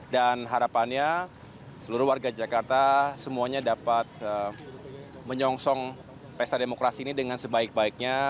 dan harapannya seluruh warga jakarta semuanya dapat menyongsong pesta demokrasi ini dengan sebaik baiknya